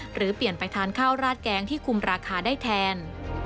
หรือเปลี่ยนไปทานข้าวราดแกงที่คุมราคาได้แทน